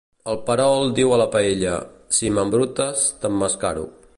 El perol diu a la paella: si m'embrutes, t'emmascaro.